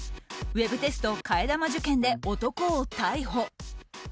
ウェブテスト替え玉受験で男を逮捕。